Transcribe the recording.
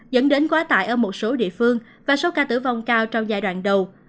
dẫn đến quá tải ở một số địa phương và số ca tử vong cao trong giai đoạn đầu